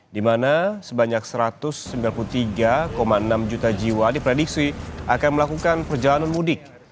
di mana sebanyak satu ratus sembilan puluh tiga enam juta jiwa diprediksi akan melakukan perjalanan mudik